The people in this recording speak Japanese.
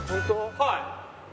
はい。